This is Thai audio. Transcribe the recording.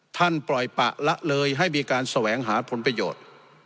ปล่อยปะละเลยให้มีการแสวงหาผลประโยชน์